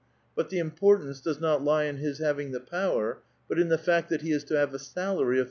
But the importance does not lie in his having the power, but in the fact that he is to have a salary of